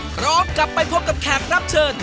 กลับไปพบกับแขกรับเชิญ